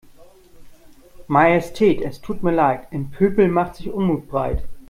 Majestät es tut mir Leid, im Pöbel macht sich Unmut breit.